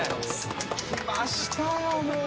きました、もう。